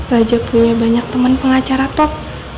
raja punya banyak teman pengacara top